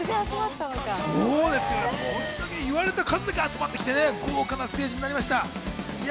言われた数だけ集まってきて豪華なステージになりました。